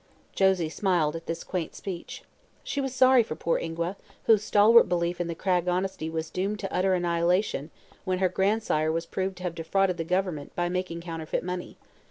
Josie smiled at this quaint speech. She was sorry for poor Ingua, whose stalwart belief in the Cragg honesty was doomed to utter annihilation when her grandsire was proved to have defrauded the Government by making counterfeit money.